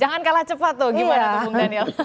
gimana tuh bung daniel